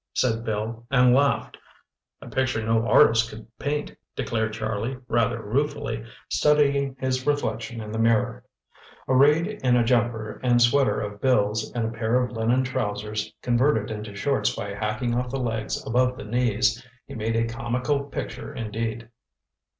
said Bill and laughed. "A picture no artist could paint," declared Charlie rather ruefully, studying his reflection in the mirror. Arrayed in a jumper and sweater of Bill's and a pair of linen trousers, converted into shorts by hacking off the legs above the knees, he made a comical picture indeed.